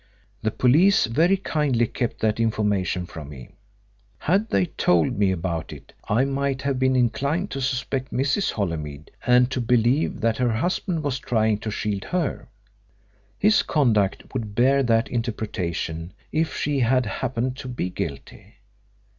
The police very kindly kept that information from me. Had they told me about it I might have been inclined to suspect Mrs. Holymead and to believe that her husband was trying to shield her. His conduct would bear that interpretation if she had happened to be guilty.